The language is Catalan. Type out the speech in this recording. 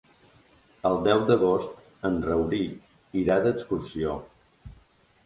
El deu d'agost en Rauric irà d'excursió.